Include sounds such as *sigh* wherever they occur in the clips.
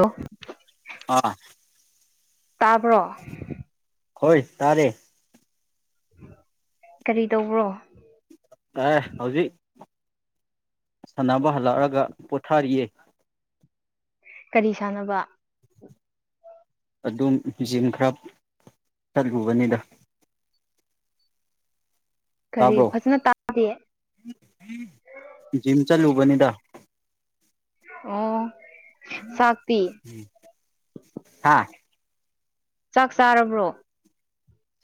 hello ꯑꯥ ꯇꯥꯕ꯭ꯔꯣ ꯍꯣꯏ ꯇꯥꯔꯦ ꯀꯔꯤ ꯇꯧꯕ꯭ꯔꯣ ꯑꯦ ꯍꯧꯖꯤꯛ ꯁꯥꯟꯅꯕ ꯍꯜꯂꯛꯑꯒ ꯄꯣꯊꯥꯔꯤꯌꯦ ꯀꯔꯤ ꯁꯥꯟꯅꯕ ꯑꯗꯨꯝ ꯖꯤꯝ ꯈꯔ ꯆꯠꯂꯨꯕꯅꯤꯗ ꯀꯔꯤ ꯇꯥꯕ꯭ꯔꯣ ꯐꯖꯅ ꯇꯥꯗꯤꯌꯦ ꯖꯤꯝ ꯆꯠꯂꯨꯕꯅꯤꯗ ꯑꯣ ꯆꯥꯛꯇꯤ ꯎꯝ ꯍꯥ ꯆꯥꯛ ꯆꯥꯔꯕ꯭ꯔꯣ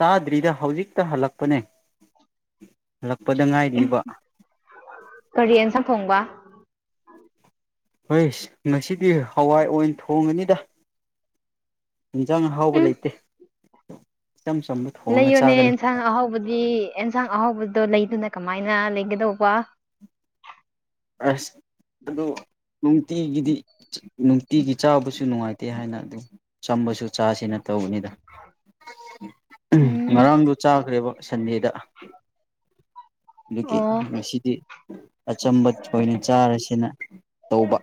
ꯆꯥꯗ꯭ꯔꯤꯗ ꯍꯧꯖꯤꯛꯇ ꯍꯜꯂꯛꯄꯅꯦ ꯍꯜꯂꯛꯄꯗ ꯉꯥꯏꯔꯤꯕ ꯀꯔꯤ ꯏꯟꯁꯥꯡ ꯊꯣꯡꯕ ꯍꯣꯏꯁ ꯉꯁꯤꯗꯤ ꯍꯋꯥꯏ ꯑꯣꯏꯅ ꯊꯣꯡꯉꯅꯤꯗ ꯍꯤꯟꯖꯥꯡ ꯑꯍꯥꯎꯕ ꯎꯝ ꯂꯩꯇꯦ ꯏꯆꯝ ꯆꯝꯕ ꯊꯣꯡꯉꯒ ꯂꯩꯌꯣꯅꯦ ꯆꯥꯒꯅꯤ ꯑꯦꯟꯁꯥꯡ ꯑꯍꯥꯎꯕꯗꯤ ꯑꯦꯟꯁꯥꯡ ꯑꯍꯥꯎꯕꯗꯣ ꯂꯩꯗꯅ ꯀꯃꯥꯏꯅ ꯂꯩꯒꯗꯧꯕ ꯑꯁ ꯑꯗꯨ ꯅꯨꯡꯇꯤꯒꯤꯗꯤ ꯅꯨꯡꯇꯤꯒꯤ ꯆꯥꯕꯁꯨ ꯅꯨꯡꯉꯥꯏꯇꯦ ꯍꯥꯏꯅ ꯑꯗꯨꯝ ꯑꯆꯝꯕꯁꯨ ꯆꯥꯁꯦꯅ ꯇꯧꯕꯅꯤꯗ ꯎꯝ ꯉꯔꯥꯡꯗꯣ ꯆꯥꯈ꯭ꯔꯦꯕ ꯁꯟꯗꯦꯗ ꯑꯗꯨꯒꯤ ꯑꯣ ꯉꯁꯤꯗꯤ ꯑꯆꯝꯕ ꯊꯣꯏꯅ ꯆꯥꯔꯁꯦꯅ ꯇꯧꯕ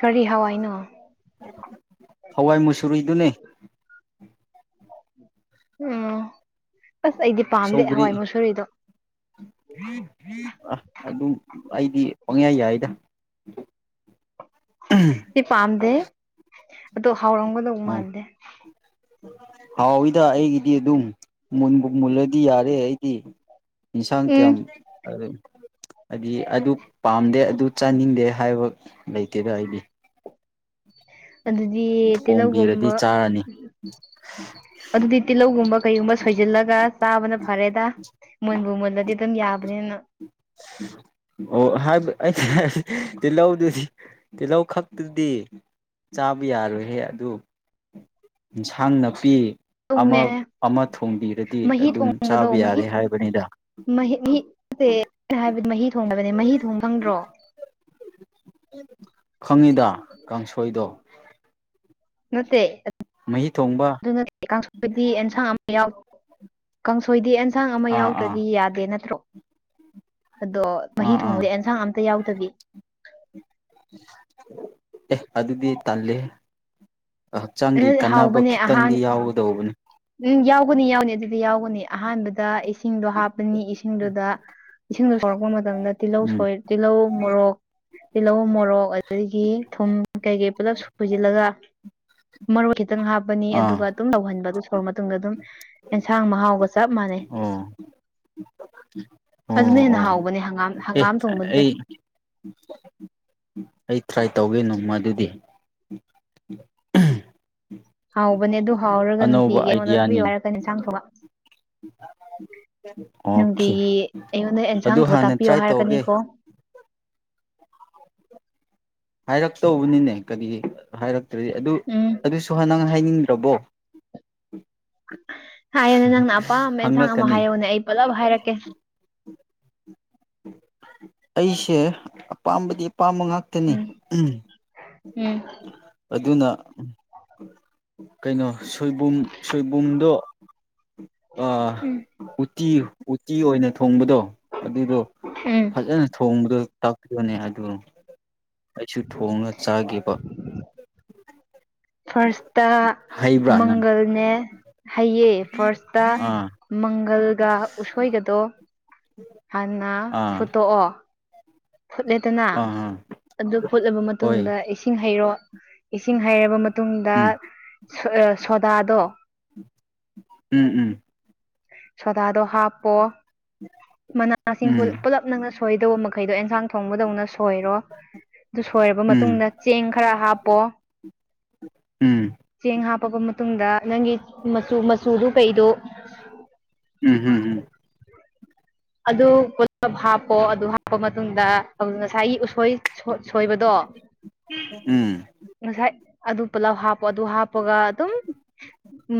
ꯀꯔꯤ ꯍꯋꯥꯏꯅꯣ *unintelligible* ꯍꯋꯥꯏ ꯃꯨꯁꯨꯔꯤꯗꯨꯅꯦ ꯎꯝ ꯑꯁ ꯑꯩꯗꯤ ꯄꯥꯝꯗꯦ ꯍꯋꯥꯏ ꯃꯨꯁꯨꯨꯔꯤꯗꯣ *unintelligible* ꯑ ꯑꯗꯨ ꯑꯩꯗꯤ ꯄꯪꯌꯥꯏ ꯌꯥꯏꯗ *unintelligible* ꯑꯦ ꯄꯥꯝꯗꯦ ꯑꯗꯣ ꯍꯥꯎꯔꯝꯒꯗꯧ ꯎꯝ ꯃꯥꯟꯗꯦ ꯍꯥꯎꯋꯤꯗ ꯑꯩꯒꯤꯗꯤ ꯑꯗꯨꯝ ꯃꯨꯟꯕꯨ ꯃꯨꯜꯂꯗꯤ ꯌꯥꯔꯦ ꯑꯩꯗꯤ ꯏꯟꯁꯥꯡ ꯎꯝ ꯀ꯭ꯌꯥꯝ *unintelligible* ꯑꯗꯤ ꯑꯗꯨ ꯄꯥꯝꯗꯦ ꯑꯗꯨ ꯆꯥꯅꯤꯡꯗꯦ ꯍꯥꯏꯕ ꯂꯩꯇꯦꯗ ꯑꯩꯗꯤ ꯑꯗꯨꯗꯤ ꯊꯣꯡꯕꯤꯔꯗꯤ ꯇꯤꯜꯂꯧꯒꯨꯝꯕ ꯆꯥꯔꯅꯤ *unintelligible* ꯑꯗꯨꯗꯤ ꯇꯤꯜꯂꯧꯒꯨꯝꯕ ꯀꯩꯒꯨꯝꯕ ꯁꯣꯏꯖꯤꯜꯂꯒ ꯆꯥꯕꯅ ꯐꯔꯦꯗ ꯃꯨꯟꯕꯨ ꯃꯨꯜꯂꯗꯤ ꯗꯨꯝ ꯌꯥꯕꯅꯦꯅ ꯑꯣ ꯍꯥꯏꯕ ꯑꯩ *unintelligible* ꯇꯤꯜꯂꯧꯗꯨꯗꯤ ꯇꯤꯜꯂꯧ ꯈꯛꯇꯨꯗꯤ ꯆꯥꯕ ꯌꯥꯔꯣꯏꯍꯦ ꯑꯗꯨ ꯏꯟꯁꯥꯡ ꯅꯄꯤ ꯑꯃ ꯇꯧꯅꯦ ꯑꯃ ꯊꯣꯡꯕꯤꯔꯗꯤ ꯃꯍꯤ ꯑꯗꯨꯝ ꯊꯣꯡꯕꯗꯣ ꯆꯥꯕ ꯃꯍꯤ ꯌꯥꯔꯦ ꯍꯥꯏꯕꯅꯤꯗ *unintelligible* ꯃꯍꯤ ꯊꯣꯡ ꯍꯥꯏꯕꯅꯦ ꯃꯍꯤ ꯊꯣꯡ ꯈꯪꯗ꯭ꯔꯣ ꯈꯪꯉꯤꯗ ꯀꯥꯡꯁꯣꯏꯗꯣ ꯅꯠꯇꯦ ꯑꯠ ꯃꯍꯤ ꯊꯣꯡꯕ *unintelligible* ꯑꯦꯟꯁꯥꯡ ꯑꯝ ꯌꯥꯎ ꯀꯥꯡꯁꯣꯏꯗꯤ ꯑꯦꯟ ꯁꯥꯡ ꯑꯃ ꯑꯥ ꯑꯥ ꯌꯥꯎꯗ꯭ꯔꯗꯤ ꯌꯥꯗꯦ ꯅꯠꯇ꯭ꯔꯣ ꯑꯗꯣ ꯃꯍꯤ ꯑꯥ ꯑꯥ ꯊꯣꯡꯕꯗꯤ ꯑꯦꯟꯁꯥꯡ ꯑꯝꯇ ꯌꯥꯎꯗꯕꯤ ꯑꯦ ꯑꯗꯨꯗꯤ ꯇꯜꯂꯦꯍ ꯍꯛꯆꯥꯡꯒꯤ ꯀꯥꯟꯅꯕ ꯍꯥꯎꯕꯅꯦ ꯑꯍꯥꯟ ꯈꯤꯇꯪꯗꯤ ꯌꯥꯎꯒꯗꯧꯕꯅꯤ ꯎꯝ ꯌꯥꯎꯒꯅꯤ ꯌꯥꯎꯅꯤ ꯑꯗꯨꯗꯤ ꯌꯥꯎꯒꯅꯤ ꯑꯍꯥꯟꯕꯗ ꯑꯩꯁ ꯏꯁꯤꯡꯗꯣ ꯍꯥꯞꯄꯅꯤ ꯏꯁꯤꯡꯗꯨꯗ ꯏꯁꯤꯡꯗꯣ ꯁꯧꯔꯛꯄ ꯃꯇꯝꯗ ꯇꯤꯜꯂꯧ ꯎꯝ ꯁꯣꯏ ꯇꯤꯜꯂꯧ ꯃꯣꯔꯣꯛ ꯇꯤꯜꯂꯧ ꯃꯣꯔꯣꯛ ꯑꯗꯒꯤ ꯊꯨꯝ ꯀꯩꯀꯩ ꯄꯨꯜꯂꯞ ꯁꯨꯖꯤꯜꯂꯒ ꯃꯔꯣꯏ ꯈꯤꯇꯪ ꯍꯥꯞꯄꯅꯤ ꯑꯥ ꯑꯗꯨꯒ ꯑꯗꯨꯝ ꯇꯧꯍꯟꯕꯗꯨ ꯁꯧꯔ ꯃꯇꯨꯡꯗ ꯑꯗꯨꯝ ꯑꯦꯟꯁꯥꯡ ꯃꯍꯥꯎꯒ ꯆꯞ ꯃꯥꯟꯅꯩ ꯑꯣ ꯑꯣ ꯑꯗꯨꯅ ꯍꯦꯟꯅ ꯑꯣ ꯍꯥꯎꯕꯅꯦ ꯉꯥꯝ ꯑꯦ ꯍꯪꯒꯥꯝ ꯊꯣꯡꯕꯗꯨꯗꯩ ꯑꯩ ꯑꯩ ꯇ꯭ꯔꯥꯏ ꯇꯧꯒꯦ ꯅꯣꯡꯃ ꯑꯗꯨꯗꯤ ꯍꯥꯎꯕꯅꯦ ꯑꯗꯨ ꯍꯥꯎꯔꯒ ꯑꯅꯧꯕ ꯅꯨꯡꯇꯤꯒꯤ ꯑꯩꯉꯣꯟꯗ ꯎꯠꯄꯤꯌꯨ ꯑꯥꯏꯗꯤꯌꯥꯅꯤꯅꯦ ꯍꯥꯏꯔꯛꯀꯅꯤ ꯏꯟꯁꯥꯡ ꯊꯣꯡꯕ *unintelligible* ꯑꯣꯀꯦ ꯅꯨꯡꯇꯤꯒꯤ ꯑꯩꯉꯣꯟꯗ ꯑꯗꯨ ꯑꯦꯟꯁꯥꯡ ꯊꫭꯡ ꯍꯥꯟꯅ ꯇꯥꯛꯄꯤꯌꯣ ꯇ꯭ꯔꯥꯏ ꯇꯧꯒꯦ ꯍꯥꯏꯔꯛꯀꯅꯤꯀꯣ ꯍꯥꯏꯔꯛꯇꯧꯕꯅꯤꯅꯦ ꯀꯔꯤꯒꯤ ꯍꯥꯏꯔꯛꯇ꯭ꯔꯗꯤ ꯑꯗꯨ ꯎꯝ ꯑꯗꯨꯁꯨ ꯍ ꯅꯪ ꯍꯥꯏꯅꯤꯡꯗ꯭ꯔꯕꯣ ꯍꯥꯏꯌꯣꯅꯦ ꯅꯪꯅ ꯑꯄꯥꯝꯕ ꯑꯦꯟꯁꯥꯡ ꯑꯃ ꯍꯪꯂꯛꯀꯅꯤ ꯍꯥꯏꯌꯣꯅꯦ ꯑꯩ ꯄꯨꯜꯂꯞ ꯍꯥꯏꯔꯛꯀꯦ ꯑꯩꯁꯦ ꯑꯄꯥꯝꯕꯗꯤ ꯑꯄꯥꯝꯕ ꯉꯥꯛ ꯎꯝ ꯎꯝ ꯑꯗꯨꯅ ꯀꯩꯅꯣ ꯁꯣꯏꯕꯨꯝ ꯁꯣꯏꯕꯨꯝꯗꯣ ꯑ ꯎꯝ ꯎꯇꯤ ꯎꯇꯤ ꯑꯣꯏꯅ ꯊꯣꯡꯕꯗꯣ ꯑꯗꯨꯗꯣ ꯎꯝ ꯐꯖꯅ ꯊꯣꯡꯕꯗꯣ ꯇꯥꯛꯄꯤꯌꫭꯅꯦ ꯑꯗꯨ ꯑꯩꯁꯨ ꯊꯣꯡꯅ ꯆꯥꯒꯦꯕ ꯐꯥꯔꯁꯇ ꯍꯩꯕ꯭ꯔꯥ ꯅꯪ ꯃꯪꯒꯜꯅꯦ ꯍꯩꯌꯦ ꯐꯥꯔꯁꯇ ꯑꯥ ꯃꯪꯒꯜꯒ ꯎꯁꯣꯏꯒꯗꯣ ꯍꯥꯟꯅ ꯑꯥ ꯐꯨꯠꯇꯣꯛꯑꯣ ꯐꯨꯠꯂꯦꯗꯅ ꯑꯥ ꯑꯥ ꯑꯗꯨ ꯐꯨꯠꯂꯕ ꯍꯣꯏ ꯃꯇꯨꯡꯗ ꯏꯁꯤꯡ ꯍꯩꯔꯣ ꯏꯁꯤꯡ ꯍꯩꯔꯕ ꯃꯇꯨꯡ ꯃꯇꯨꯡꯗ ꯎꯝ ꯁꯣꯗꯥꯗꯣ ꯎꯝ ꯎꯝ ꯁꯣꯗꯥꯗꯣ ꯍꯥꯞꯄꯣ ꯃꯅꯥ ꯃꯁꯤꯡ ꯎꯝ ꯄꯨꯂꯞ ꯅꯪꯅ ꯁꯣꯏꯗꯧꯕ ꯃꯈꯩꯗꯣ ꯑꯦꯟꯖꯥꯡ ꯊꯣꯡꯕꯗꯧꯅ ꯁꯣꯏꯔꯣ ꯑꯗꯨ ꯁꯣꯏꯔꯕ ꯃꯇꯨꯡꯗ ꯆꯦꯡ ꯈꯔ ꯍꯥꯞꯄꯣ ꯎꯝ ꯆꯦꯡ ꯍꯥꯞꯄꯕ ꯃꯇꯨꯡꯗ ꯅꯪꯒꯤ ꯃꯆꯨ ꯃꯆꯨꯗꯨ ꯀꯩꯗꯣ ꯎꯝ ꯎꯝ ꯎꯝ ꯑꯗꯨ ꯄꯨꯂꯞ ꯍꯥꯞꯄꯣ ꯑꯗꯨ ꯍꯥꯞꯄ ꯃꯇꯨꯡꯗ ꯉꯁꯥꯏꯒꯤ ꯎꯁꯣꯏ ꯁꯣꯏ ꯁꯣꯏꯕꯗꯣ ꯎꯝ ꯉꯁꯥꯏ ꯑꯗꯨ ꯄꯨꯂꯥꯞ ꯍꯥꯞ ꯄ ꯑꯗꯨ ꯍꯥꯄꯒ ꯑꯗꯨꯝ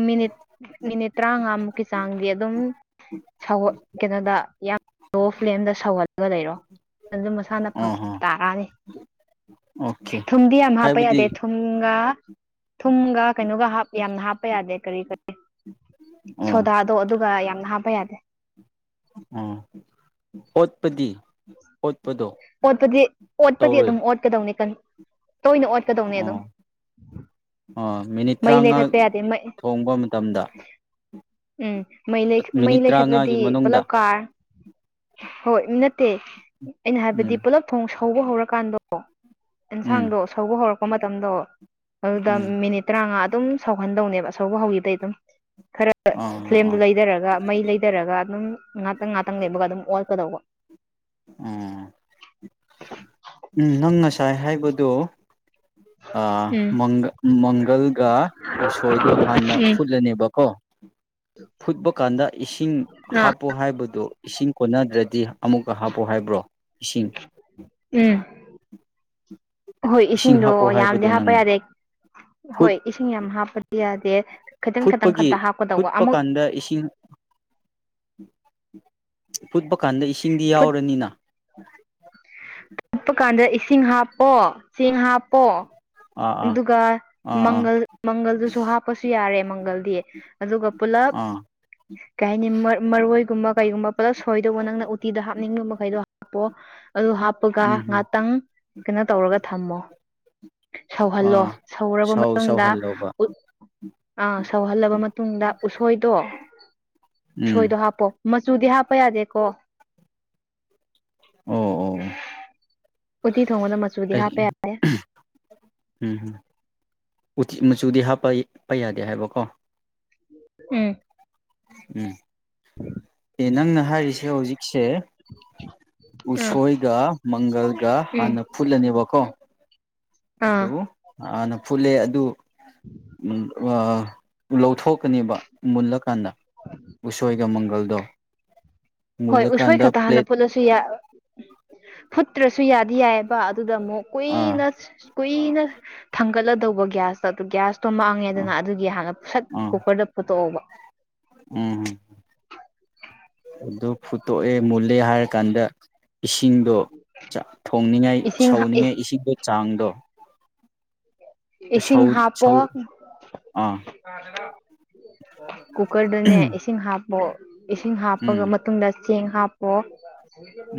ꯃꯤꯅꯤꯠ ꯃꯤꯅꯤꯠ ꯇꯔꯥꯃꯉꯥꯃꯨꯛꯀꯤ ꯆꯥꯡꯗꯤ ꯑꯗꯨꯝ ꯁꯧ ꯀꯩꯅꯣꯗ ꯌꯥꯝ ꯂꯣ ꯐ꯭ꯂꯦꯝꯗ ꯁꯧꯍꯜꯂꯒ ꯂꯩꯔꯣ ꯑꯗꯨ ꯃꯁꯥꯅ ꯑꯣ ꯍꯣ ꯇꯥꯔꯅꯤ ꯑꯣꯀꯦ ꯊꯨꯝꯗꯤ ꯌꯥꯝ ꯍꯥꯞꯄ ꯍꯥꯏꯕꯗꯤ ꯌꯥꯗꯦ ꯊꯨꯝꯒ ꯊꯨꯝꯒ ꯀꯩꯅꯣꯒ ꯌꯥꯝꯅ ꯍꯥꯞꯄ ꯌꯥꯗꯦ ꯀꯔꯤ ꯀꯔꯤ ꯑꯣ ꯁꯣꯗꯥꯗꯣ ꯑꯗꯨꯒ ꯌꯥꯝꯅ ꯍꯥꯞꯄ ꯌꯥꯗꯦ ꯎꯝ ꯑꯣꯠꯄꯗꯤ ꯑꯣꯠꯄꯗꯣ ꯑꯣꯠꯄꯗꯤ ꯑꯣꯠꯄꯗꯤ ꯇꯧꯔꯣꯏ ꯑꯗꯨꯝ ꯑꯣꯠꯀꯗꯧꯅꯤ ꯇꯣꯏꯅ ꯑꯣꯠꯀꯗꯧꯅꯤ ꯑꯗꯨꯝ ꯑ ꯃꯤꯅꯤꯠ ꯃꯩ ꯇꯔꯥꯃꯉꯥ ꯂꯩꯈꯠꯄ ꯌꯥꯗꯦ ꯃꯩ ꯊꯣꯡꯕ ꯃꯇꯝꯗ ꯎꯝ ꯃꯩ ꯂꯩ ꯃꯩ ꯃꯤꯅꯤꯠ ꯂꯩꯈꯠꯂꯗꯤ ꯇꯔꯥꯃꯉꯥꯒꯤ ꯃꯅꯨꯡꯗ ꯄꯨꯂꯞ ꯀꯥꯔ ꯍꯣꯏ ꯅꯠꯇꯦ ꯑꯩꯅ ꯎꯝ ꯍꯥꯏꯕꯗꯤ ꯄꯨꯂꯞ ꯊꯣꯡ ꯍꯧꯕ ꯍꯧꯔꯀꯥꯟꯗꯣ ꯑꯣ ꯎꯝ ꯑꯦꯟꯁꯥꯡꯗꯣ ꯁꯧꯕ ꯍꯧꯔꯛꯄ ꯃꯇꯝꯗꯣ ꯑꯗꯨꯗ ꯎꯝ ꯃꯤꯅꯤꯠ ꯇꯔꯥꯃꯉꯥ ꯑꯗꯨꯝ ꯁꯧꯍꯟꯗꯧꯅꯦꯕ ꯑꯁꯧꯕ ꯍꯧꯈꯤꯕꯗꯩ ꯑꯗꯨꯝ ꯈꯔ ꯑꯥ ꯑꯥ ꯑꯥ ꯐ꯭ꯂꯦꯝꯗꯨꯣ ꯂꯩꯊꯔꯒ ꯃꯩ ꯂꯩ ꯂꯩꯊꯔꯒ ꯑꯗꯨꯝ ꯉꯥꯛꯇꯪ ꯉꯥꯛꯇꯪ ꯂꯩꯕꯒ ꯑꯗꯨꯝ ꯑꯣꯠꯀꯗꯧꯕ ꯑꯥ ꯎꯝ ꯅꯪ ꯉꯁꯥꯏ ꯍꯥꯏꯕꯗꯣ ꯑ ꯎꯝ ꯃꯪꯒꯜ ꯃꯪꯒꯜꯒ ꯎꯁꯣꯏꯗꯣ ꯍꯥꯟꯅ ꯎꯝ ꯐꯨꯠꯂꯅꯦꯕꯀꯣ ꯐꯨꯠꯄ ꯀꯥꯟꯗ ꯏꯁꯤꯡ ꯑꯥ ꯍꯥꯞꯄꯣ ꯍꯥꯏꯕꯗꯣ ꯏꯁꯤꯡ ꯀꯣꯟꯅꯗ꯭ꯔꯗꯤ ꯑꯃꯨꯛꯀ ꯍꯥꯞꯄꯣ ꯍꯥꯏꯕ꯭ꯔꯣ ꯏꯁꯤꯡ ꯎꯝ ꯍꯣꯏ ꯏꯁꯤꯡ ꯏꯁꯤꯡꯗꯣ ꯍꯥꯞꯄꯣ ꯌꯥꯝꯗꯤ ꯍꯥꯏꯕꯗꯣ ꯍꯥꯞꯄ ꯅꯪꯅ ꯌꯥꯗꯦ ꯐꯨꯠ ꯍꯣꯏ ꯏꯁꯤꯡ ꯌꯥꯝ ꯍꯥꯞꯄꯗꯤ ꯌꯥꯗꯦ ꯈꯤꯇꯪ ꯈꯤꯇꯪ ꯈꯛꯇ ꯐꯨꯠꯄꯒꯤ ꯍꯥꯞꯀꯗꯧꯕ ꯐꯨꯠꯄ ꯑꯃꯨꯛ ꯀꯥꯟꯗ ꯏꯁꯤꯡ ꯐꯨꯠꯄ ꯀꯥꯟꯗ ꯏꯁꯤꯡꯗꯤ ꯌꯥꯎꯔꯅꯤꯅ ꯐꯨꯠꯄ ꯀꯥꯟꯗ ꯏꯁꯤꯡ ꯍꯥꯞꯄꯣ ꯆꯦꯡ ꯍꯥꯞꯄꯣ ꯑꯥ ꯑꯗꯨꯒ ꯑꯥ ꯑꯥ ꯃꯪꯒꯜ ꯃꯪꯒꯜꯗꯨꯁꯨ ꯍꯥꯞꯄꯁꯨ ꯌꯥꯔꯦ ꯃꯪꯒꯜꯗꯤ ꯑꯗꯨꯒ ꯄꯨꯂꯞ ꯑꯥ ꯑꯥ ꯀꯩ ꯍꯥꯏꯅꯤ ꯃꯔꯣꯏꯒꯨꯝꯕ ꯀꯩꯒꯨꯝꯕ ꯄꯨꯂꯞ ꯁꯣꯏꯗꯧꯕ ꯅꯪꯅ ꯇꯤꯗ ꯍꯥꯞꯅꯤꯡꯕ ꯃꯈꯩꯗꯣ ꯍꯥꯞꯄꯣ ꯑꯗꯨ ꯍꯥꯞꯄꯒ ꯎꯝ ꯉꯍꯥꯛꯇꯪ ꯀꯩꯅꯣ ꯇꯧꯔꯒ ꯊꯝꯃꯣ ꯁꯧꯍꯜꯂꯣ ꯑꯥ ꯁꯧꯔꯕ ꯁꯥꯎ ꯃꯇꯨꯡꯗ ꯁꯥꯎꯍꯜꯂꯧꯕ ꯑꯥ ꯁꯧꯍꯜꯂꯕ ꯃꯇꯨꯡꯗ ꯎꯁꯣꯏꯗꯣ ꯎꯝ ꯎꯁꯣꯏꯗꯣ ꯍꯥꯞꯄꯣ ꯃꯆꯨꯗꯤ ꯍꯥꯞꯄ ꯌꯥꯗꯦꯀꯣ ꯑꯣ ꯑꯣ ꯎꯠꯇꯤ ꯊꯣꯡꯕꯗ ꯃꯆꯨꯗꯤ ꯍꯥꯞꯄ ꯑꯩ ꯌꯥꯗꯦ ꯎꯝ ꯃꯆꯨꯗꯤ ꯍꯥꯞꯄ ꯌꯥꯗꯦ ꯍꯥꯏꯕꯀꯣ ꯎꯝ ꯎꯝ ꯑꯦ ꯅꯪꯅ ꯍꯥꯏꯔꯤꯁꯦ ꯍꯧꯖꯤꯛꯁꯦ ꯎꯝ ꯎꯁꯣꯢꯒ ꯃꯪꯒꯜꯒ ꯎꯝ ꯍꯥꯟꯅ ꯐꯨꯠꯂꯅꯦꯕꯀꯣ ꯑꯥ ꯑꯗꯨ ꯍꯥꯟꯅ ꯐꯨꯠꯂꯦ ꯑꯗꯨ ꯎꯝ ꯑ ꯂꯧꯊꯣꯛꯀꯅꯦꯕ ꯃꯨꯜꯂꯀꯥꯟꯗ ꯎꯁꯣꯢꯒ ꯃꯪꯒꯜꯗꯣ ꯍꯣꯢ ꯎꯁꯣꯢ ꯃꯨꯜꯂꯀꯥꯟꯗ ꯈꯠꯇ ꯍꯥꯟꯅ ꯄ꯭ꯂꯦꯠ ꯐꯨꯠꯂꯁꯨ ꯌꯥꯢꯑꯞ ꯐꯨꯠꯇ꯭ꯔꯁꯨ ꯌꯥꯗꯤ ꯌꯥꯢꯑꯕ ꯑꯗꯨꯗ ꯑꯃꯨꯛ ꯑꯥ ꯀꯨꯢꯅ ꯀꯨꯢꯅ ꯊꯥꯡꯒꯠꯂꯗꯧꯕ ꯒ꯭ꯌꯥꯁꯇꯣ ꯑꯗꯨ ꯒ꯭ꯌꯥꯁ ꯑꯥ ꯇꯣꯝꯃꯥꯡꯉꯦꯗꯨꯅ ꯑꯗꯨꯒꯤ ꯍꯥꯟꯅ ꯁꯠ ꯑꯥ ꯀꯨꯀꯔꯗ ꯐꯨꯠꯇꯣꯛꯑꯧꯕ ꯎꯝ ꯑꯗꯨ ꯐꯨꯠꯇꯣꯛꯑꯦ ꯃꯨꯜꯂꯦ ꯍꯥꯢꯔꯀꯥꯟꯗ ꯏꯁꯤꯡꯗꯣ ꯆꯥꯛ ꯊꯣꯡꯅꯤꯡꯉꯥꯢ ꯏꯁꯤꯡ ꯁꯧꯅꯤꯡꯉꯥꯢ ꯏꯁꯤꯡꯗꯣ ꯆꯥꯡꯗꯣ ꯏꯁꯤꯡ ꯁꯧ ꯍꯥꯞꯄꯣ ꯁꯧ ꯑꯥ ꯀꯨꯀꯔꯗꯅꯦ ꯎꯝ ꯏꯁꯤꯡ ꯍꯥꯞ ꯑꯣ ꯏꯁꯤꯡ ꯎꯝ ꯍꯥꯞꯄꯒ ꯃꯇꯨꯡꯗ ꯆꯦꯡ ꯍꯥꯞꯄꯣ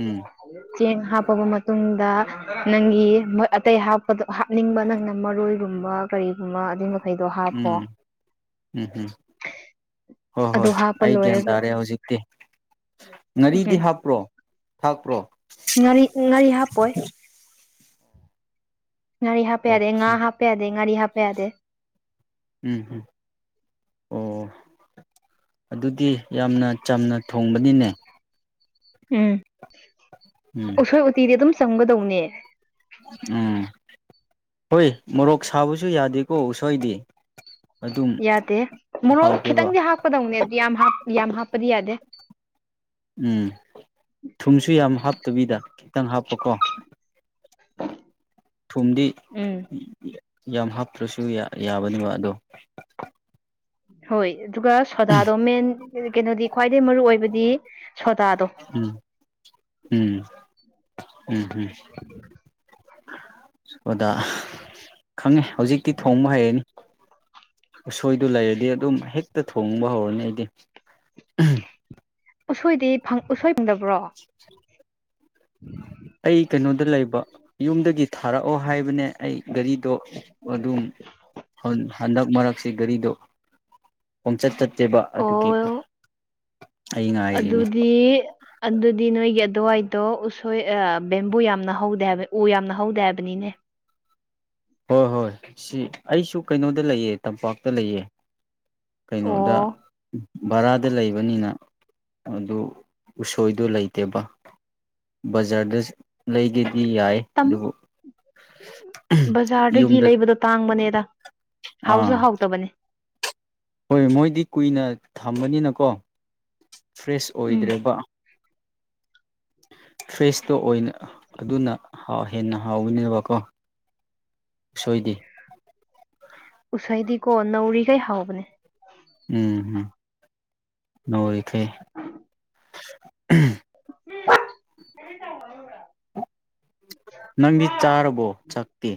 ꯎꯝ ꯆꯦꯡ ꯍꯥꯞꯄꯕ ꯃꯇꯨꯡꯗ ꯅꯪꯒꯤ ꯃꯣꯢ ꯑꯇꯩ ꯍꯥꯞꯄꯗ ꯍꯥꯞꯅꯤꯡꯕ ꯅꯪꯅ ꯃꯔꯣꯢꯒꯨꯝꯕ ꯀꯔꯤꯒꯨꯝꯕ ꯑꯗꯨꯢ ꯎꯝ ꯎꯝ ꯍꯨꯝ ꯍꯣꯢ ꯑꯗꯨ ꯍꯣꯢ ꯍꯥꯞꯄ ꯑꯩ ꯒ꯭ꯌꯥꯟ ꯂꯣꯏꯔꯒ ꯇꯥꯔꯦ ꯍꯧꯖꯤꯛ ꯇꯦ ꯉꯥꯔꯤꯗꯤ ꯎꯝ ꯍꯥꯞꯄ꯭ꯔꯣ ꯊꯥꯛꯄ꯭ꯔꯣ ꯉꯥꯔꯤ ꯉꯥꯔꯤ ꯍꯥꯞꯄꯣꯢ ꯉꯥꯔꯤ ꯍꯥꯞꯄ ꯌꯥꯗꯦ ꯉꯥ ꯑꯣꯀꯦ ꯍꯥꯞꯄ ꯌꯥꯗꯦ ꯉꯥꯔꯤ ꯍꯥꯞꯄ ꯌꯥꯗꯦ ꯎꯝꯍꯨꯝ ꯑꯣ ꯑꯗꯨꯗꯤ ꯌꯥꯝꯅ ꯆꯝꯅ ꯊꯣꯡꯕꯅꯤꯅꯦ ꯎꯝ ꯎꯝ ꯎꯁꯣꯢ ꯎꯇꯤꯗꯤ ꯑꯗꯨꯝ ꯆꯝꯒꯗꯧꯅꯦ ꯎꯝ ꯍꯣꯢ ꯃꯣꯔꯣꯛ ꯁꯥꯕꯁꯨ ꯌꯥꯗꯦꯀꯣ ꯎꯁꯣꯢꯗꯤ ꯌꯥꯗꯦ ꯃꯣꯔꯣꯛ ꯍꯥꯎꯇꯦꯕ ꯈꯤꯇꯪꯗꯤ ꯍꯥꯞꯄꯗꯧꯅꯦ ꯑꯗꯨ ꯌꯥꯝ ꯍꯥꯞ ꯌꯥꯝ ꯍꯥꯞꯄꯗꯤ ꯌꯥꯗꯦ ꯎꯝ ꯊꯨꯝꯁꯨ ꯌꯥꯝ ꯍꯥꯞꯇꯕꯤꯗ ꯈꯤꯇꯪ ꯍꯥꯞꯄꯀꯣ *unintelligible* ꯊꯨꯝꯗꯤ ꯎꯝ ꯌꯥꯝ ꯍꯥꯞꯇ꯭ꯔꯁꯨ ꯌꯥ ꯌꯥꯕꯅꯦꯕ ꯑꯗꯣ ꯍꯣꯢ ꯑꯗꯨꯒ ꯁꯣꯗꯥꯗꯣ ꯃꯦꯟ ꯀꯩꯅꯣꯗꯤ ꯈ꯭ꯋꯥꯢꯗꯩ ꯃꯔꯨꯑꯣꯢꯕꯗꯤ ꯁꯣꯗꯥꯗꯣ ꯎꯝ ꯎꯝ ꯎꯝꯎꯝ ꯎꯝ ꯑꯣꯗ ꯈꯪꯉꯦ ꯍꯧꯖꯤꯛꯇꯤ ꯊꯣꯡꯕ ꯍꯩꯔꯅꯤ ꯎꯁꯣꯢꯗꯨ ꯂꯩꯔꯗꯤ ꯑꯗꯨꯝ ꯍꯦꯛꯇ ꯊꯣꯡꯕ ꯍꯧꯔꯅꯤ ꯑꯩꯗꯤ ꯎꯁꯣꯢꯗꯤ ꯐꯪ ꯎꯁꯣꯢ ꯐꯪꯗꯕ꯭ꯔꯣ ꯎꯝ ꯑꯩ ꯀꯩꯅꯣꯗ ꯂꯩꯕ ꯌꯨꯝꯗꯒꯤ ꯊꯥꯔꯛꯑꯣ ꯍꯥꯢꯕꯅꯦ ꯑꯩ ꯒꯥꯔꯤꯗꯣ ꯑꯗꯨꯝ ꯍꯟꯗꯛ ꯃꯔꯛꯁꯤ ꯒꯥꯔꯤꯗꯣ ꯈꯣꯡꯆꯠ ꯆꯠꯇꯦꯕ ꯑꯗꯨꯒꯤ ꯑꯣ ꯑꯩ ꯉꯥꯏꯔꯤꯅꯤ ꯑꯗꯨꯗꯤ ꯑꯗꯨꯗꯤ ꯅꯣꯢꯒꯤ ꯑꯗꯨꯋꯥꯢꯗꯣ ꯎꯁꯣꯢ ꯑ ꯕꯦꯝꯕꯨ ꯌꯥꯝꯅ ꯍꯧꯗꯦ ꯍꯥꯢꯕ ꯎ ꯌꯥꯝꯅ ꯍꯧꯗꯦ ꯍꯥꯢꯕꯅꯤꯅꯦ ꯍꯣꯢ ꯍꯣꯢ ꯁꯤ ꯑꯩꯁꯨ ꯀꯩꯅꯣꯗ ꯂꯩꯌꯦ ꯇꯝꯄꯥꯛꯇ ꯂꯩꯌꯦ ꯑꯣ ꯀꯩꯅꯣꯗ ꯚꯔꯥꯗ ꯂꯩꯕꯅꯤꯅ ꯑꯗꯨ ꯎꯁꯣꯢꯗꯣ ꯂꯩꯇꯦꯕ ꯕꯖꯥꯔꯗ ꯂꯩꯒꯦꯗꯤ ꯌꯥꯢ ꯇꯝ ꯑꯗꯨꯕꯨ ꯕꯖꯥꯔꯗꯒꯤ ꯌꯨꯝꯗ ꯂꯩꯕꯗꯣ ꯇꯥꯡꯕꯅꯦꯗ ꯍꯥꯎꯁꯨ ꯍꯥꯎꯇꯕꯅꯦ ꯍꯣꯢ ꯃꯣꯢꯗꯤ ꯀꯨꯢꯅ ꯊꯝꯕꯅꯤꯅꯀꯣ ꯐ꯭ꯔꯦꯁ ꯎꯝ ꯑꯣꯢꯗ꯭ꯔꯦꯕ ꯐ꯭ꯔꯦꯁꯇꯣ ꯑꯣꯏꯅ ꯑꯗꯨꯅ ꯍꯥ ꯍꯦꯟꯅ ꯍꯥꯎꯒꯅꯦꯕꯀꯣ ꯎꯁꯣꯏꯗꯦ ꯎꯁꯣꯏꯗꯤꯀꯣ ꯅꯧꯔꯤꯈꯩ ꯍꯥꯎꯕꯅꯦ ꯎꯝꯝ ꯅꯧꯔꯤꯈꯩ *inaudible* ꯄꯥꯎ ꯐꯥꯎꯅꯕ꯭ꯔꯥ ꯅꯪꯒꯤ ꯆꯥꯔꯔꯕꯣ ꯆꯥꯛꯇꯤ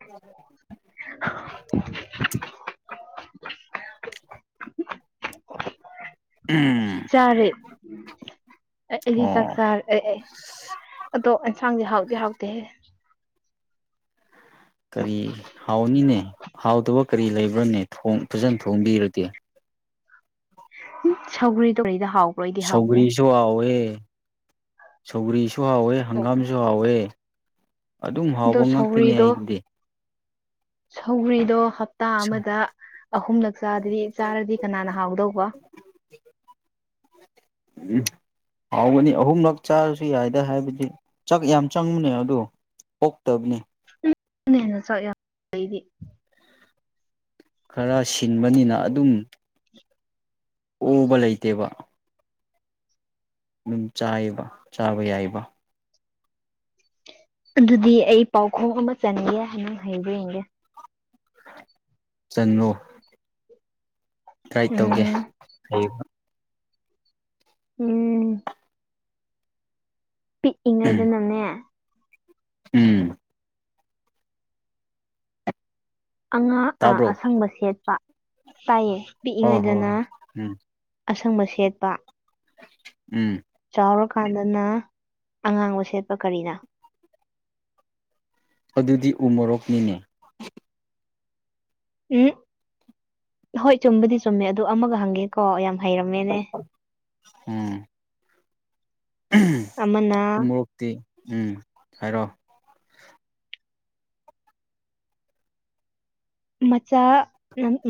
*inaudible* *unintelligible* ꯆꯔꯦ ꯑꯩ ꯑꯩꯗꯤ ꯆꯥꯛ ꯑꯣ ꯆꯥꯔ ꯑꯦ ꯑꯗꯣ ꯑꯦꯟꯁꯥꯡꯗꯤ ꯍꯥꯎꯗꯤ ꯍꯥꯎꯇꯦꯍꯦ ꯀꯔꯤ ꯍꯥꯎꯅꯤꯅꯦ ꯍꯥꯎꯗꯕ ꯀꯔꯤ ꯂꯩꯕ꯭ꯔꯥꯅꯦ ꯊꯣꯡ ꯐꯖꯅ ꯊꯣꯡꯕꯤꯔꯗꯤ ꯎꯝ ꯁꯧꯒꯔꯤꯗꯣ ꯀꯔꯤꯗ ꯍꯥꯎ ꯁꯧꯒ꯭ꯔꯤꯁꯨ ꯍꯥꯎꯋꯦ ꯁꯧꯒ꯭ꯔꯤꯁꯨ ꯍꯥꯎꯋꯦ ꯍꯪꯒꯥꯝꯁꯨ ꯍꯥꯎꯋꯦ ꯑꯗꯨꯝ ꯍꯥꯎꯕ ꯑꯗꯣ ꯉꯥꯛꯇꯅꯦ ꯁꯧꯒ꯭ꯔꯤꯗꯣ ꯑꯩꯒꯤꯗꯤ ꯁꯧꯒ꯭ꯔꯤꯗꯣ ꯍꯞꯇꯥ ꯑꯃꯗ ꯑꯍꯨꯝꯂꯛ ꯆꯥꯗꯗꯤ ꯆꯥꯔꯗꯤ ꯀꯅꯥꯅ ꯍꯥꯎꯗꯧꯕ *inaudible* ꯎꯝ ꯍꯥꯎꯒꯅꯤ ꯑꯍꯨꯝꯂꯛ ꯆꯥꯔꯁꯨ ꯌꯥꯏꯗ ꯍꯥꯏꯕꯗꯤ ꯆꯥꯛ ꯌꯥꯝ ꯆꯪꯕꯅꯦ ꯑꯗꯣ ꯑꯣꯛꯇꯕꯅꯤ ꯍꯦꯟꯅ ꯆꯥꯛ ꯌꯥꯝ ꯑꯩꯗꯤ ꯈꯔ ꯁꯤꯡꯕꯅꯤꯅ ꯑꯗꯨꯝ ꯑꯣꯕ ꯂꯩꯇꯦꯕ ꯑꯗꯨꯝ ꯆꯥꯏꯕ ꯆꯥꯕ ꯌꯥꯏꯕ ꯑꯗꯨꯗꯤ ꯑꯩ ꯄꯥꯎꯈꯣꯡ ꯑꯃ ꯆꯟꯒꯦ ꯅꯪ ꯍꯪꯕ꯭ꯔꯥ ꯌꯦꯡꯒꯦ ꯆꯜꯂꯣ ꯇ꯭ꯔꯥꯏ ꯇꯧꯒꯦ ꯎꯝ ꯍꯩꯕ ꯎꯝ ꯄꯤꯛꯏꯉꯩꯗꯅꯅꯦ ꯎꯝ ꯑꯉꯥ ꯇꯥꯕ꯭ꯔꯣ ꯑꯁꯪꯕ ꯁꯦꯠꯄ ꯇꯥꯏꯌꯦ ꯍꯣꯏ ꯍꯣꯏ ꯄꯤꯛꯏꯉꯩꯗꯅ ꯍꯣꯏ ꯎꯝ ꯑꯁꯪꯕ ꯁꯦꯠꯄ ꯎꯝ ꯆꯥꯎꯔꯀꯥꯟꯗꯅ ꯑꯉꯥꯡꯕ ꯁꯦꯠꯄ ꯀꯔꯤꯅꯣ ꯑꯗꯨꯗꯤ ꯎꯃꯣꯔꯣꯛꯅꯤꯅꯦ ꯎꯝ ꯍꯣꯏ ꯆꯨꯝꯕꯗꯤ ꯆꯨꯝꯃꯦ ꯑꯗꯣ ꯑꯃꯒ ꯍꯪꯒꯦ ꯀꯣ ꯌꯥꯝ ꯍꯩꯔꯝꯃꯦꯅꯦ ꯎꯝ ꯀꯃꯅꯥ ꯇꯦ ꯎꯝ ꯍꯥꯏꯔꯛꯑꯣ ꯃꯆꯥ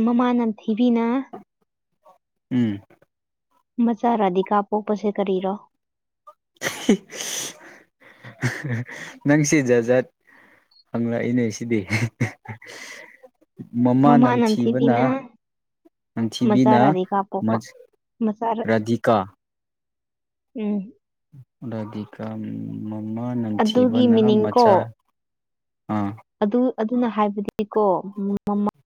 ꯃꯃꯥ ꯅꯝꯊꯤꯕꯤꯅ ꯎꯝ ꯃꯆꯥꯥ ꯔꯥꯙꯤꯀꯥ ꯄꯣꯛꯄꯁꯦ ꯀꯔꯤꯔꯣ ꯅꯪꯁꯤ ꯖꯖꯥꯠ ꯍꯪꯂꯛꯏꯅꯦ ꯁꯤꯗꯤ ꯃꯃꯥ ꯅꯝꯊꯤꯕꯅ ꯃꯆꯥ ꯅꯝꯊꯤꯕꯤꯅ ꯔꯥꯙꯤꯀꯥ ꯄꯣꯛꯄ ꯃꯆꯥ ꯔꯥꯙꯤꯀꯥ ꯎꯝ ꯍꯟꯗꯛꯗꯤ ꯔꯥꯝ ꯃꯃꯥ ꯑꯗꯨꯒꯤ ꯅꯝꯊꯤꯕꯅ ꯃꯤꯅꯤꯡ ꯀꯣ ꯃꯆꯥ ꯑꯥ ꯑꯗꯨ ꯑꯗꯨꯅ ꯍꯥꯏꯕꯗꯤꯀꯣ ꯃꯃꯥ